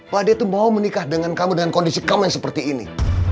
padahal dia tuh mau menikah dengan kamu dengan kondisi kamu yang seperti ini